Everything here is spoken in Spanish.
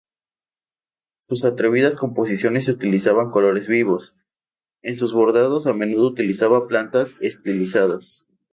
Sus atrevidas composiciones utilizaban colores vivos; en sus bordados a menudo utiliza plantas estilizadas.